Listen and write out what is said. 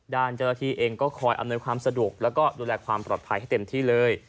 ด้านเจ้าหน้าที่เองก็คอยอำนวยความสะดวกแล้วก็ดูแลความปลอดภัยให้เต็มที่เลย